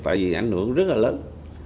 tại vì ảnh hưởng rất là lớn